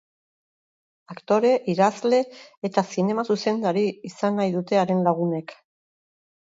Aktore, idazle eta zinema-zuzendari izan nahi dute haren lagunek.